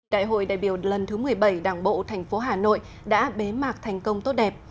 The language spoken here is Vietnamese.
đại hội đại biểu lần thứ một mươi bảy đảng bộ thành phố hà nội đã bế mạc thành công tốt đẹp